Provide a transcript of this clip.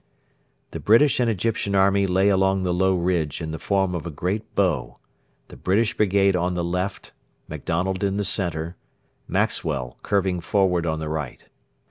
The British and Egyptian army lay along the low ridge in the form of a great bow the British brigade on the left, MacDonald in the centre, Maxwell curving forward on the right.